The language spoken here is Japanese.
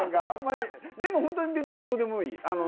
でも本当にどうでもいい。